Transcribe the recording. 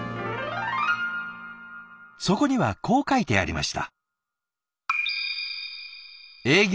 そこにはこう書いてありました。